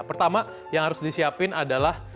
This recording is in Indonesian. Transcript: pertama yang harus disiapin adalah